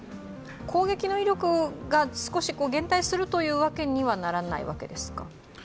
攻撃の威力が少し減退するというわけにはならないわけですか。